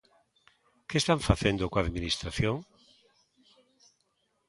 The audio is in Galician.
¿Que están facendo coa Administración?